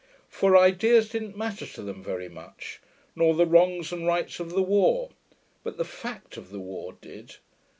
For ideas didn't matter to them very much, nor the wrongs and rights of the war, but the fact of the war did.